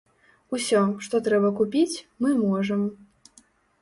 Усё, што трэба купіць, мы можам.